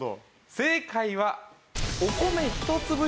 正解は。